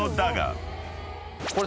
これ。